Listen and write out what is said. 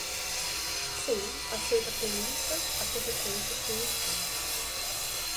Sim, aceita a premissa, as conseqüências se impõem.